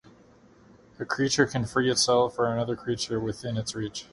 A creature can free itself or another creature within its reach.